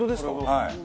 はい。